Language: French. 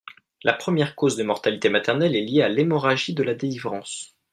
La première cause de mortalité maternelle est liée à l’hémorragie de la délivrance.